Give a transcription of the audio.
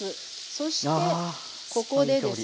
そしてここでですね